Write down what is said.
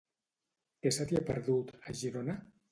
Què se t'hi ha perdut, a Girona?